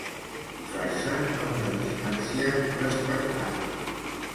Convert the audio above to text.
Posar-se a una distància respectable.